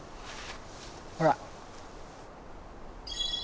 ほら。